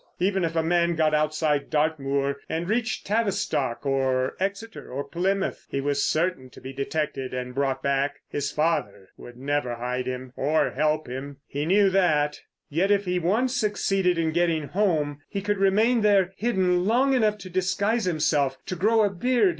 Even if a man got outside Dartmoor and reached Tavistock or Exeter or Plymouth he was certain to be detected and brought back. His father would never hide him or help him—he knew that. Yet if he once succeeded in getting home he could remain there hidden long enough to disguise himself, to grow a beard.